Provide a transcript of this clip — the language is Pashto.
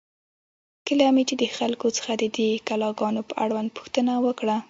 کله مې چې د خلکو څخه د دې کلا گانو په اړوند پوښتنه وکړه،